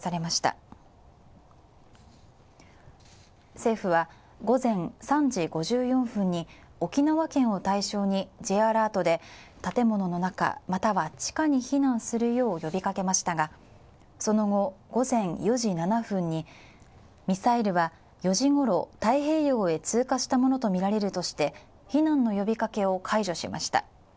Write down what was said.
政府は午前３時５４分に沖縄県を対象にＪアラートで建物の中、または地下に避難するよう呼びかけましたがその後、午前４時７分にミサイルは４時ごろ太平洋へ通過したものとみられるとして避難の呼びかけを解除しました。